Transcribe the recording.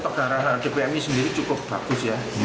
kalau stok darah di pmi sendiri cukup bagus ya